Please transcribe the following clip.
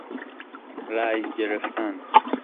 رای گرفتن